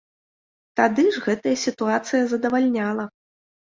Тады ж гэтая сітуацыя задавальняла!